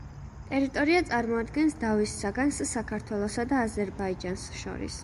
ტერიტორია წარმოადგენს დავის საგანს საქართველოსა და აზერბაიჯანს შორის.